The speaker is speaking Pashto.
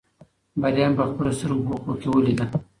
بریا مې په خپلو سترګو په افق کې ولیده.